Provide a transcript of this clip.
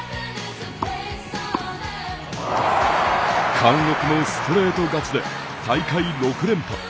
貫禄のストレート勝ちで大会６連覇。